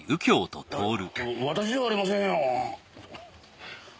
私じゃありませんよ。